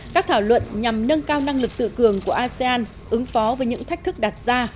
các thảo luận nhằm nâng cao năng lực tự cường của asean ứng phó với những thách thức đặt ra